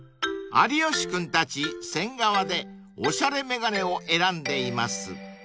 ［有吉君たち仙川でおしゃれ眼鏡を選んでいます］